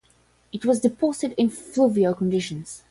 It was deposited in fluvial conditions.